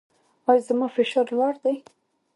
ایا زما فشار لوړ دی؟